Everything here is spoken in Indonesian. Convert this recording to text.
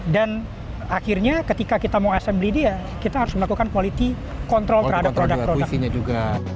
dan akhirnya ketika kita mau assembly dia kita harus melakukan quality control pada produk produk